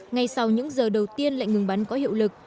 ngay sau những giờ đầu tiên lệnh ngừng bắn có hiệu lực